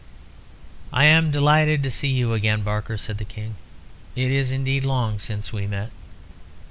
"I am delighted to see you again, Barker," said the King. "It is indeed long since we met.